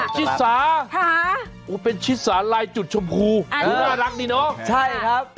ชิดสาหรือเป็นชิดสาหรือลายจุดชมพูน่ารักนี่น้องใช่ครับ